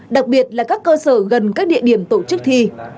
đặc biệt là các cơ sở gần các địa điểm tổ chức thi